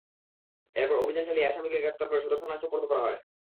এরপর অভিযান চালিয়ে আসামিকে গ্রেপ্তার করে সদর থানায় সোপর্দ করা হয়।